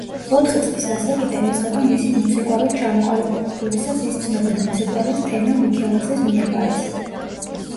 ოთხი წლის ასაკიდან იწყება მისი მოცეკვავედ ჩამოყალიბება, როდესაც ის ცნობილ მოცეკვავეს თემელ მიქელაძეს მიაბარეს.